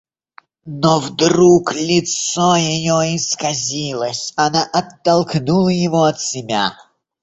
Но вдруг лицо ее исказилось, она оттолкнула его от себя.